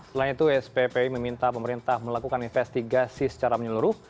selain itu sppi meminta pemerintah melakukan investigasi secara menyeluruh